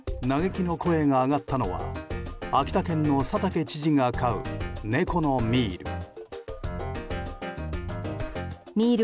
嘆きの声が上がったのは秋田県の佐竹知事が飼う猫のミール。